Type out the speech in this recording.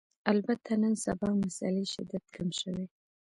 البته نن سبا مسألې شدت کم شوی